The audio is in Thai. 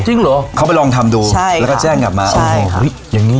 จริงเหรอเขาไปลองทำดูใช่แล้วก็แจ้งกลับมาโอเคอุ้ยอย่างนี้